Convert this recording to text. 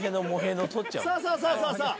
さあさあさあさあさあ